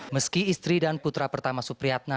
meski istri dan putra pertama supriyatna